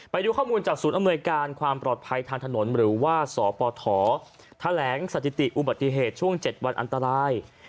ไปดูข้อมูลจากศูนย์อำนวยการความปลอดภัยทางถนนหรือว่าสปฐแถลงสถิติอุบัติเหตุช่วง๗วันอันตราย